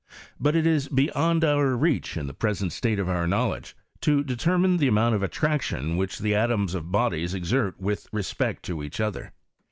But it is beyond our reach, in the present state of our knowledge, to de termine the amount of attraction which dke atoms of bodies exert with respect to each other.